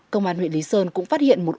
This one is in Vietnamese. công an huyện lý sơn cũng phát hiện một ô tô